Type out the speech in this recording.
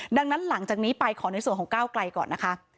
ดังนั้นหลังจากนี้ไปขอในส่วนของก้าวไกลก่อนนะคะ